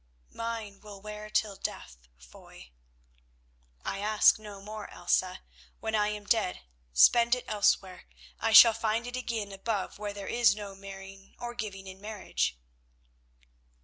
"Mine will wear till death, Foy." "I ask no more, Elsa. When I am dead, spend it elsewhere; I shall find it again above where there is no marrying or giving in marriage."